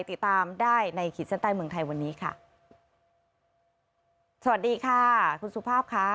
ติดตามได้ในขีดเส้นใต้เมืองไทยวันนี้ค่ะสวัสดีค่ะคุณสุภาพค่ะ